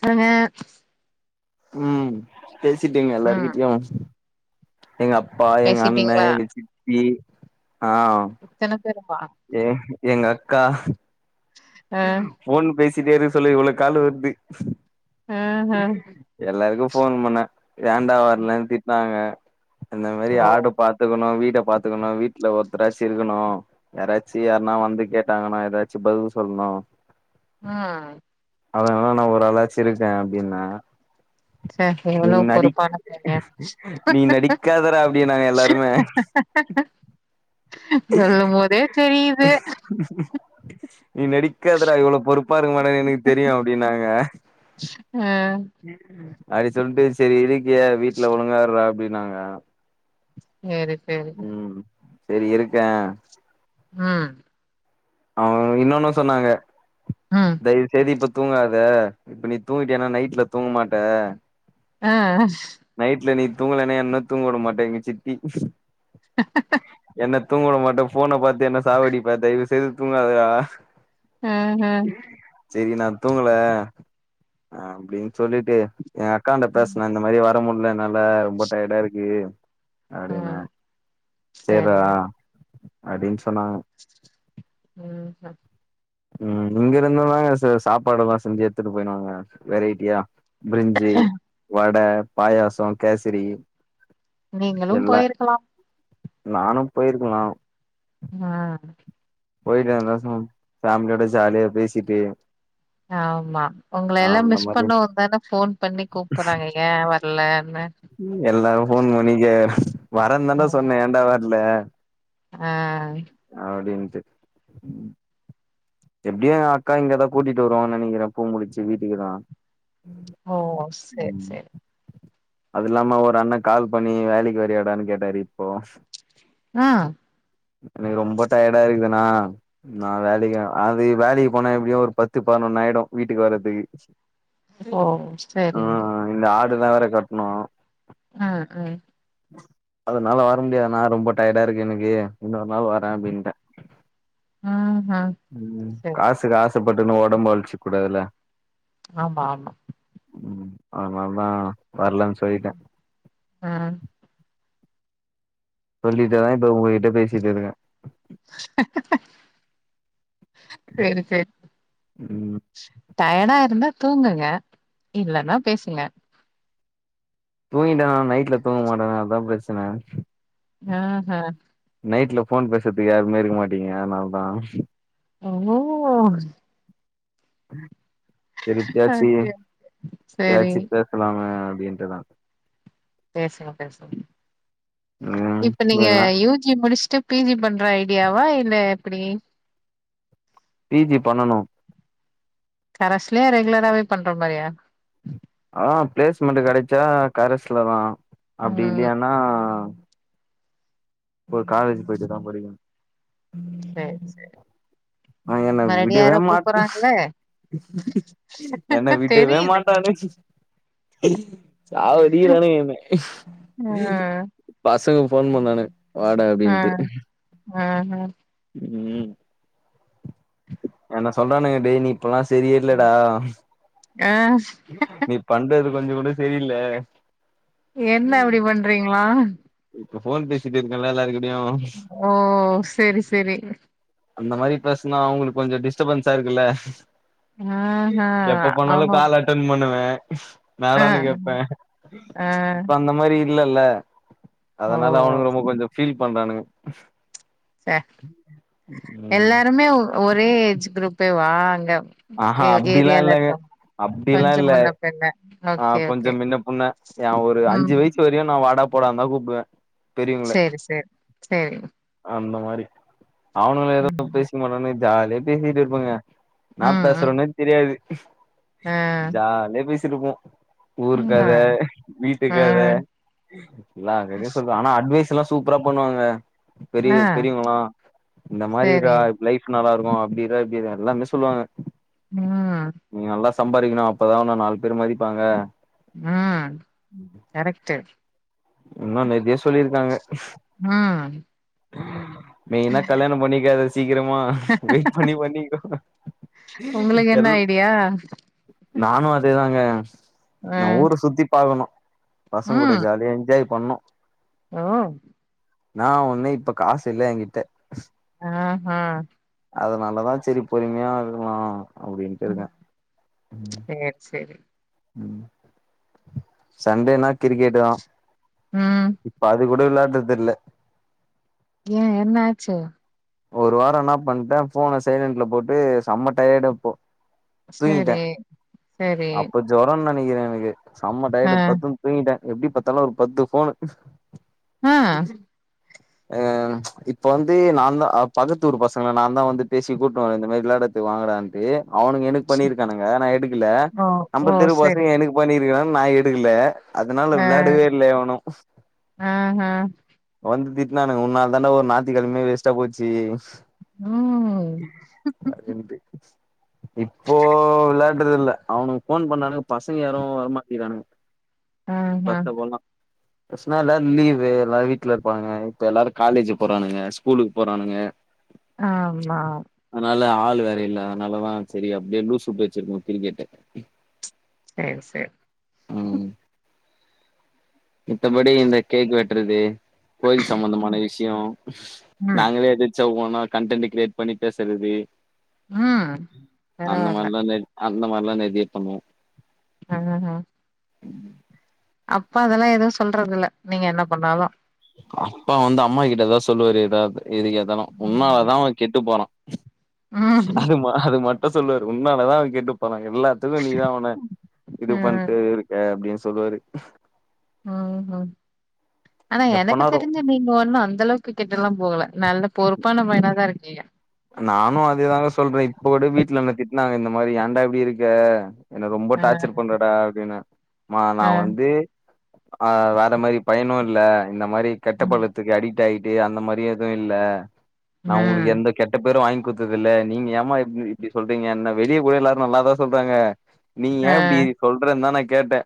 சொல்லுங்க ம் பேசிட்டீங்க ம் எல்லாருக்கிட்டயு எங்க அப் அப்பா எங்க அண்ண பேசிட்டீங்களா எங்க சித்தி ஆ இத்தன தெருவா ஏ எங்க அக்கா ஆ ஃபோன் பேசிட்டே இருக்கச்சுல இவ்வளோ கால் வருது ஆ ஆ எல்லாருக்கு ஃபோன் பண்ண ஏண்டா வர்லன்னு திட்னாங்க இந்த மாரி ஓ ஆர்ட பாத் பாத்துக்கணு வீட பாத்துக்கணு வீட்ல ஒருத்தராச்சி இருக்கணு யாராச்சு யார்னா வந்து கேட்டாங்கன்னா ஏதாச்சும் பதில் சொல்லணும் ஆ அதல்லா நா ஒரு அளாச்சி இருக்கே அப்படின்ன சரர் நீ எவ்வளோ பொறுப்பான பைய நீ நடிக்காதடா அப்டின்னாங்க எல்லாருமே சொல்லும் போதே தெரியுது உம் நீ நடிக் இருக்காதுடா இவ்வளோ பொறுப்பா இருக்கு மாட்ட எனக்கு தெரியு அப்டின்னாங்க ஆ அடி சொல்ட்டு செரி இருக்கியா வீட்ல ஒழுங்கார்றா அப்டின்னாங்க சேரி சேரி ம் சேரி இருக்க ம் அவ இன்னொன்னு சொன்னாங்க ம் தயவுசெய்து இப்ப தூங்காத இப்ப நீ தூங்கிட்டியன்னா நைட்ல தூங்கமாட்ட ஆ நைட்ல நீ தூங்கலனே என்ன தூங்க விட மாட்ட எங்க சித்தி என்ன தூங்க உட மாட்ட ஃபோன பாத்து என்ன சாவடிப்ப தயவுசெய்து தூங்காதா ஆஹ சேரி நா தூங்கல அப்படின்னு சொல்லிட்டு என் அக்கான்ட பேசுனே இந்த மாரி வார்த் கத்த முடியல என்னால ரொம்ப டயர்டா இருக்கு அப்படின்ன ம் சரி சேர்றா அப்டின்னு சொன்னாங்க ம் ஆ ம் இங்கருந்து தாங்க ச சாப்பாடுல்லா செஞ்சு எடுத்துட்டு போயிருவாங்க வெரைட்டியா பிரிஞ்சு வட பாயாச கேசரி நீங்களு போயிருக்கலா நானும் போயிருக்கலா ஆ போயிட்ரறா சந்தோசமா ஃபேமிலியோட ஜாலிய பேசிட்டு ஆமா உங்க ஆ எல்லா அந்த மிஸ் மாரி பண்ண வந்தான்னே ஃபோன் பண்ணி கூப்புறாங்க ஏன் வர்லன்னு எல்லாரு ஃபோன் பண்ணி ஆ வரந்தாண்டா சொன்ன ஏண்டா வர்ல ஆ அப்டின்ட்டு ம் எப்படியு என் அக்கா இங்கேதா கூட்டிட்டு வருவோனு நினைக்கிறே பூ முடிச்சு வீட்டுக்கு தா ஓ சேரி சேரி அது இல்லாம ஒரு அண்ண கால் பண்ணி வேலைக்கு வரியாடான்னு கேட்டாரு இப்போ ஆ எனக்கு ரொம்ப டயர்டா இருக்குதுண்ணா நா வேலைக்கு வர அது வேலைக்கு போனா எப்படியும் ஒரு பத்து பதினொன்னாயிடும் வீட்டுக்கு வர்றதுக்கு ஓ ஆ சேரி இந்த ஆடுதான் வேற கட்டணும் ஆ ஆ அதனால வர முடியாது ணா ரொம்ப டயர்டா இருக்கு எனக்கு இன்னொரு நாள் வரே அப்டின்டே ம் நாங் ம் காசுக்கு ஆசைப்பட்டுன்னு ஒடம்பு அழிச்சுக் கூடாதுல ஆமா ஆமா ம் அதுனால தா வரலன் சொல்லிட்டே ம் சொல்லிட்டுதா இப்ப ஒங்ககிட்ட பேசிட்டு இருக்கே சேரி சேரி ம் டயடா இருந்தா தூங்குங்க இல்லனா பேசுங்க தூங்கிடேனா நைட்ல தூங்க மாட்டனா அதா பிரச்சன அ ஹ நைட்ல ஃபோன் பேசறதுக்கு யாருமே இருக்க மாட்டீங்க அதுனால தா ஓ ஓ ஓ சரி இப்பயாச்சி ஓகே சரி இப்பயாச்சி பேசலாமே அப்டின்ட்டுதா பேசுங்க பேசுங்க ம் இப்ப நீங்க ஏங்க யூ ஜி முடுஸ்ட்டு பி ஜி பண் ற ஐடியாவா இல்ல எப்டி பி ஜி பண்ணணு கரஸ்லயே ரெகுலராவே பண்ற மாரியா அதா பிளேஸ்மண்ட்டு கெடச்சா கரஸ்ல தா அப்டி ம் இல்லயான்னா ஒரு காலேஜு போயிட்டு தா படிக்கனு சேரி சேரி அவங்க என்ன விடவே மாட்னு என்ன விடவே தெரியுது மாட்டானுங் சாவடிக்கிறானுங்க என்ன ம் பசங்க ஃபோன் பண்ணானுங்க வாடா அப்டின்ட்டு அ ஹ ம் என்ன சொல்றானுங்க டேய் நீ இப்பல்லா சரியே இல்லடா அ நீ பண்றது கொஞ்சங் கூட சரி இல்ல என்ன அப்டி பண்றீங்ளா இப்ப ஃபோன் பேசிட்டு இருக்கன்ல்ல எல்லார்கிட்டயு ஓ செரி செரி அந்த மாரி பேசுனா அவுங்களுக்கு கொஞ்செ டிஸ்டபன்ஸா இருக்குல ஆஹ. எப்ப பண்ணாலு ஆமா. கால் அட்டன் பண்ணுவே ஆ, மேடான்னு கேப்பே ஆ. இப்ப அந்த மாரி இல்லல்ல ஓ! அதுனால அவனுக்கு ரொம்ப கொஞ்சொ ஃபீல் பண்றானுங்க ச ம் எல்லாருமே ஒரே ஏஜ் குரூப்பே வா அங்க ஆஹா ஏ அப்டீலா இல்லங்க அப்டீலா இல்ல என்ன ஆ கொஞ்சொ மின்ன புன்ன ஏ ஒரு அஞ்சு ம். வயசு வரையு நா வாடா போடான்தா கூப்டுவே பெரியவங்கள சேரி சேர் சேரிங் அந்த மாரி அவனுங்க ஏதோ ம், பேசிக்க மாட்டானுங்க ஜாலியா பேசிட்டு இருப்பங்க ம், என்னா ம். பேசுறோனே தெரியாது ஆ, ஜாலியா பேசிட்ருப்போ ஆ, ஊருகத ஆ, வீட்டுகத எல்லா கதையு சொல்வே ஆனா அட்வைஸ் த்துலா சூப்பரா பண்ணுவாங்கங்க பெரிய ஆ. பெரியவங்களா இந்த மாரி சரி. இருடா லைஃப் நல்லாருக்கு அப்டிதா இப்டிதா எல்லாமே சொல்லுவாங்க ம், நீ நல்லா சம்பாரிக்கணு அப்பதா ஒன்ன நாலு பேர் மதிப்பாங்க ம் கரெக்ட்டு இன்னு நெதியா சொல்லிருக்காங்க ம் மெயினா கல்யாண பண்ணிக்காத சீக்கரமா வெயிட் பண்ணி பண்ணிகோ உங்களுக்கு என்ன எல் ஐடியா? நானு அதேதாங்க நா அ, ஊர சுத்தி பாக்கணு பசங்கூட ஜாலியா என்ஜாய் பண்ணு ம் நா ஒன்னு இப்ப காசு இல்ல என்கிட்ட ம்ஹு அதுனாலதா செரி பொறுமையா இருக்லா அப்டின்ட்டு இருக்க ம் சேர் செரி ம் சண்டேனா கிரிக்கெட்டு தா ம் இப்ப அது கூட விளாடுறதில்ல ஏன் என்ன ஆச்சு ஒரு வாரம் என்ன பண்ட்டே போன சைலன்ட்ல போட்டு செம்ம டயடப்போ தூங்கிட்ட சேரி சேரி அப்ப ஜொரன் நெனைக்கிற எனக்கு செம்ம ஆ டையடு பத்துன் தூங்கிட்ட எப்டி பாத்தாலு ஒரு பத்து ஃபோனு ஆ அ இப்ப வந்து நாந்தா அ பக்கத்தூர் பசங்கள நாந்தா வந்து பேசி கூட்டுனு வர இந்த மாரி விளாடத்து வாங்கடான்ட்டு அவனுங்க எனக்கு பண்ணிருக்கானுங்க நா எடுக்ல ஓ நம்ப ஓ தெரு பசங்க சேரி எனக்கு பண்ணிருக்கா நா எடுக்ல அதனால ஆ விளாடவே இல்ல எவனு ஆஹா வந்து திட்னானுங்க உன்னால தாண்டா ஒரு ஞாத்தி கெழமையே வேஸ்டா போச்சு ம் அதென்து இப்போ விளாடுறது இல்ல அவனுக்கு ஃபோன் பண்ணானுங்க பசங்க யாரு வரமாட்டிகிறானுங்க ஆஹா பஸ்ல போட்லா பஸ்னா எல்லார் லீவு எல்லாரு வீட்ல இருப்பாங்க இப்ப எல்லாரு காலேஜு போறானுங்க ஸ்கூலு போறானுங்க ஆமா அதனால ஆள் வேற இல்ல அதனாலதா செரி அப்டியே லூஸ் விட்டு வச்சிருக்கோ கிரிக்கெட்ட செர் செர் ம் மித்தபடி இந்த கேக் வெட்றது கோயில் சம்பந்தமான ம் விஷயோ ம் நாங்களே எதச்சா ஓனர் கன்டன்ட்டு கிரியேட் பண்ணி பேசறது ம் அந்த பரவால்ல மாரிலா என்ஜாய் அந்த மாரிலா நெதிய பண்ணுவோ ஹு ஹு அப்பா அதெல்லா எதுவு சொல்றது இல்ல நீங்க என்ன பண்ணாலு அப்பா வந்து அம்மா கிட்டதா சொல்லுவாரு எதாவது எதுக்கெத்தாலு உன்னால ம் தா அவ கெட்டு போறா ம் அதுமா அது மட்டு சொல்லுவாரு உன்னாலதா அவன் கெட்டுப்போறா எல்லாத்துக்கு நீதா அவன இது பண்ட்டு இரு க்க அப்டின் சொல்லுவாரு ம் ம் ஆனா எனக்கு எப்பனாரு தெரிஞ்சு நீ ங்க ஒன்னு அந்த அளவுக்கு கெட்டெல்லா போல நல்ல பொறுப்பான பையனாதா இருக்கீய நானு அதேதாங்க சொல்றே இப்ப கூட வீட்ல என்ன திட்னாங்க இந்த மாரி ஏண்டா இப்டி இருக்க என்ன ரொம்ப ஆ டார்ச்சர் பண்றடா அப்டின்னு மா நா ஆ வந்து ஆ வேற மாரி பயணு இல்ல இந்த மாரி கெட்ட ம் பழத்துக்கு அடிக் ட் ஆயிட்டு அந்த மாரி எதுவு இல்ல நா ம். உங்களுக்கு எந்தக் கெட்ட பேரு வாங்கி குத்ததில்ல நீங்க ஏமா இப்டி இப்டி சொல்றீங்க என்ன வெளிய கூட எல்லாரு நல்லாதா சொல்றாங்க நீ ஆ யே இப்டி சொல்றன்தா நா கேட்டே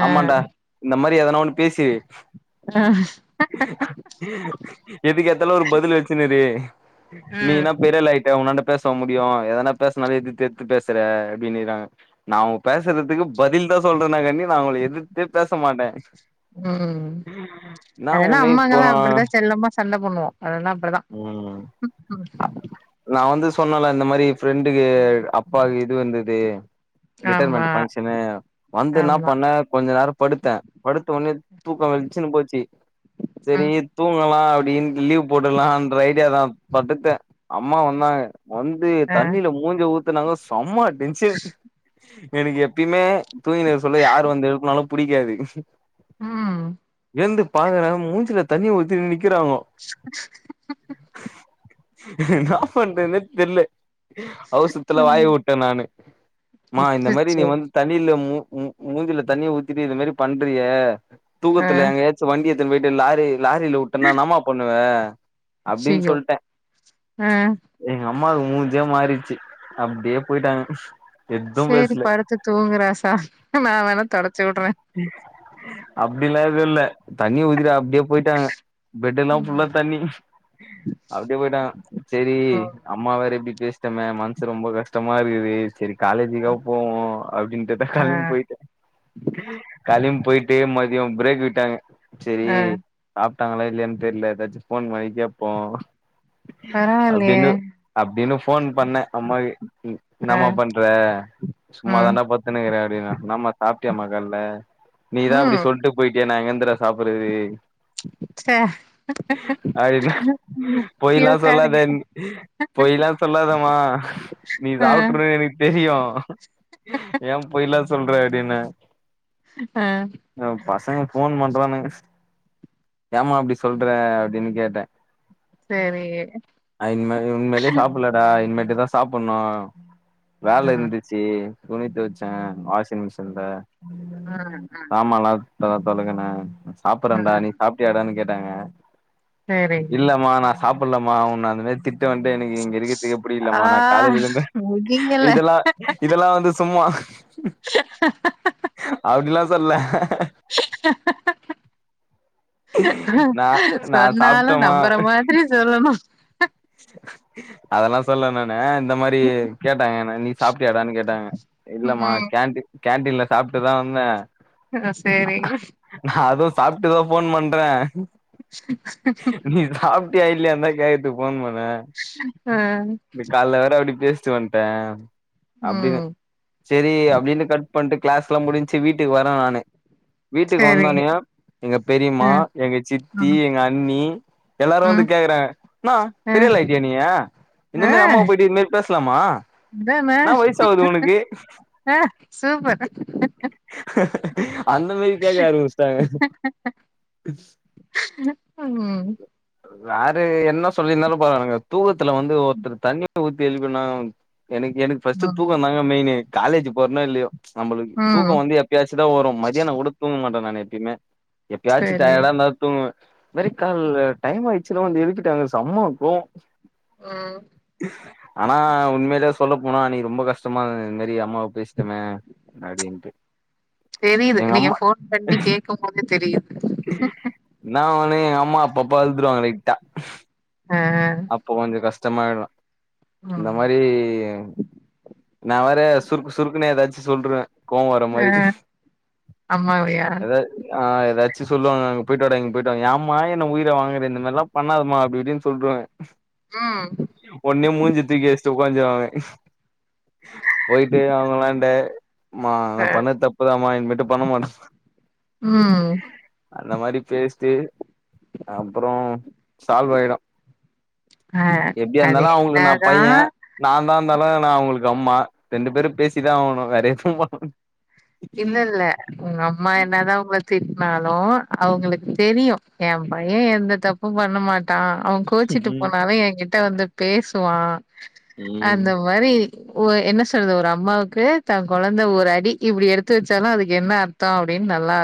ஆ ஆமான்டா இந்த மாரி எதனா ஒண்ணு பேசி ஆ எதுக்கு எத்தாலு ஒரு பதில் வச்சினு இரு நீனாப்பெரியாலாயிட்ட உன்னான்டப் பேசவா முடியு எதனா பேசனாலே எதித்து எதித்து பேசுற அப்டின்னிறாங்க நா அவங்க பேசுறதுக்கு பதில் தா சொல்றன காண்டி நா அவங்கள எதித்தே பேச மாட்டே ம் என்னா அதெல்லா ஒன்னு இப்போ அம்மாங்கலா நா அப்டித்தா செல்லமா சண்ட பண்ணுவோ அதெல்லா அப்டிதா ம் ம் நா வந்து சொன்னல இந்த மாரி ஃப்ரெண்டுக்கு அப்பாக்கு இது வந்தது ஆமா ரிட்டர்மென்ட் ஃபங்சனு வந்து இன்னா ஆமா பண்ண கொஞ்ச நேரம் படுத்த படுத்த ஒனே தூக்க வல்ச்சினு போச்சி ம் சரித் தூங்கலா அப்படீன்ட்டு லீவ் போட்டுலான்ட்ர ஐடிய தா பத்துட்ட அம்மா வந்தாங்க வந்து ஆ தண்ணில மூஞ்ச ஊத்துனாங்க சம்ம டென்ஷனு எனக்கு எப்பயுமே தூங்கிணு இருக்க சொல்ல யாரு வந்து எழுப்னாலு புடிக்காது ம் எழுந்து பாக்கற மூஞ்சுல தண்ணிய ஊத்தினு நிக்கிறாங்கோ [inaudible] என்னா பண்றதுனே தெர்ல அவுசர்த்துல வாய் உட்ட நானு மா இந்த மாரி நீ அச்சச்சோ வந்து தண்ணில மூ மூ மூஞ்சில தண்ணிய ஊத்திட்டு இது மாரி பண்றியே ஆ தூக்கத்துல எங்கயா வண்டிய எத்துன் போயிட்டு லாரி லாரில உட்டன்னா என்னமா பண்ணுவ அப்டின் அய்யய்யோ சொல்ட்ட ஆ எங்க அம்மாவுக்கு மூஞ்சே மாறிச்சு அப்டியே போயிட்டாங்க எதுவு சேரி பேசல படுத்து தூங்கு ராசா நா வேணா தொடச்சி உட்ற அப்டிலா எதுவு இல்ல தண்ணிய ஊத்திட்டு அப்டியே போயிட்டாங்க பெட்டெல்லா ஃபுல்லா ம் தண்ணி அப்டியே போயிட்டாங்க செரி ம் அம்மா வேற இப்டி பேசிட்டமே மனசு ரொம்ப கஷ்டமா இருக்குது சரி காலேஜிக்கா போவோ அப்டின்ட்டு தா ஆ களம்பி பொயிட்ட காலயு போயிட்டு மதியோ பிரேக் விட்டாங்க செரி ஆ சாப்ட்டாங்களா இல்லையான் தெரில ஏதாச்சு போன் பண்ணி கேப்போ பரவாயில்லயே அப்டினு அப்டினு போன் பண்ண அம்மாக்கு ஆ இனாமா பண்ற சும்மா ம் தான்டா பத்துனுக்கிற அப்டின் இன்னா மா சாப்டியா மா ல நீ தா அப்டி ம் சொல்ட்டு போயிட்டியே நா எங்கிந்திரா சாப்பிறது சே அடின்னா பொய்லா கியூட்டா சொல்லாத இருக்கு பொய்லா சொல்லாதமா நீ ஆ சாப்ட்ருவனு எனக்கு தெரியு எம் பொய்லா சொல்ற அப்டின்ன ஆ பசங்க ஃபோன் பண்றானுங்க ஏமா அப்டி சொல்ற அப்டினு கேட்ட சேரி அயின்மே உன்மேலே சாப்டலடா இன்மேட்டுதா சாப்பன்னூ வேல இருந்திச்சி துணி தோவச்சே வாஷிங் மிஷின்ல ஆ ஆ ஆ சாம்மாலா [unintelligible] வெளக்குனே ஆ சாப்புட்றேடா நீ சாப்டியாடானு கேட்டே சேரிங்க இல்ல மா நா சாப்பிட்லமா உன்ன அந்த மாரி திட் ட வந்து எனக்கு இங்க இருக்குறதுக்கே ஆ புடிக்களேமா நா காலேஜ்ல இருந்தே முடியல இதுலா இதலா வந்து சும்மா [unintelligible] அப்டிலா சொல்ல நா நா சொன்னாலு சாப்ட்டம்மா நம்பற மாதிரி சொல்லணு அதெல்லா சொல்ல நானு இந்த மா ரி கேட்டாங்க என்ன நீ சாப்ட்டியாடான்னு கேட்டாங்க இல்லம்மா ம் கேன்டீன் கேன்டீன்ல சாப்ட்டுதா வந்தே அ சேரி நா அதுவு சாப்டது ஃபோன் பண்றே ச் ஹ ஹ ஹ சாப்டியா இல்லியாந்தா கேக்கரத்துக்கு ஃபோன் பன்னே ஆ இப்டி கால்ல வேற அப்டி பேச் சு வந்ட்டே அப்டினு ம் செரி அப்டின்னு கட் பண்ட்டு கிளாஸ்லா முடிஞ்சு வீட்டுக்கு வரே நானு வீட்டுக்கு சேரிங்க வந்தோனேயோ எங்க பெரியமா ஆ எங்க சித்தி ம் எங்க அண்ணி எல்லாரு வந்து ம் கேக்குறாங்க னா ஆ பெரிய ஆள் ஆயிடியா நீய இந்த மாரி அம்மாவ போயிட்டு இது மாரி பேச்லாமா இதானே ஆ சூப்பர் அந்த மாரிக்கேக்க ஆரம்பிச்சுட்டாங்க ம் வேர என்ன சொல்லி இருந்தாலு பரவால்லங்க தூக்கத்துல வந்து ஒருத்தர தண்ணி ஊத் தி எழுப்புனா எனக்கு எனக்கு ஃபஸ்ட் தூக்கோ ம் தாங்க மெயினு காலேஜ் போறனோ இல்லையோ நம்மளுக்கு ம் தூக்கோ வந்து எப்பயாச்சுதா வரு மதியானோ கொட தூங்க மாட்டே நானு எப்பயுமே எப்பயாச்சு சரி டயர்டா இருந்தா தூங்குவே வெற கால்ல டைம் ஆய்ட்ச்சுனு வந்து எழுப்பிட்டாங்க சம்ம கோவோ ம் ஆனா உண்மாலயே சொல்ல போனா அன்னைக்கு ரொம்ப கஷ்டமாக்கு இந்த மாரி அம்மாவ பேச்டமே அப்டின்ட்டு தெரியுது எங்க நீங்க அம்மா ஃபோன் பண்ணி கேக்கம் போதே தெரியுது இன்னா ஒண்ணு எங்க அம்மா அப்பப்ப அழுதுடுவாங்க லைட்டா ஆ அப்போ கொஞ்ச கஷ்டமா இருக்கு இந்த மா ம் மாரி நா வேற சுருக்கு சுருக்குன்னு ஏதாச்சு சொல்றுவே கோவோ வர ஆ மாரி அம்மாவையா அது ஆ ஏதாச்சு சொல்லுவாங்க அங்க போயிட்டு வாட இங்க போயிட்டுவாடானு ஏம்மா என்ன உயிர வாங்குற இந்த மாரி லா பண்ணாதம்மா அப்டி இப்டின் சொல்றுவே ம் ஒடனே மூஞ்ச தூக்கி வெச்ட்டு உக்காந்சுருவாங்க போயிட்டு அவங்கலாண்ட மா நா ஆ பண்ணது தப்புதாம்மா இனிமேட்டு பண்ண மாட்ட ம் அந்த மாரி பேஸ்டு அப்பறோ சால்வ் ஆய்ரு ஆ அது எப்டியாருந்தாலு அவுங்களுக்கு நா பைய என்னதான் நா தா இருந்தாலு நா அவுங்குளுக்கு அம்மா ரெண்டு பேரு பேசிதா ஆவணு வேற எதுவு பண்ண இல்ல இல்ல உங்க அம்மா என்னதா உங்கள திட்டினாலு அவங்களுக்கு தெரியு எ பைய எந்த தப் பு பண்ண மாட்டா அவ கோச்சிட்டு ம் போனாலு எகிட்ட வந்து பேசுவா ம் அந்த மாரி ஒ என்ன சொல்றது ஒரு அம்மாவுக்கு தா கொழந்த ஒரு அடி இப்டி எடுத் து வெச்சாலு அதுக்கு என்ன அர்த்தோ அப்டின் நல்லாவே